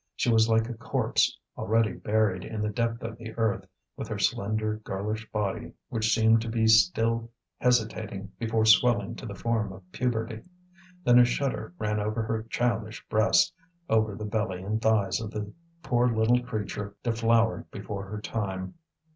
She was like a corpse, already buried in the depth of the earth, with her slender girlish body which seemed to be still hesitating before swelling to the form of puberty. Then a shudder ran over her childish breast, over the belly and thighs of the poor little creature deflowered before her time.